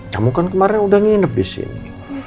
kamu kan kemarin udah nginep disini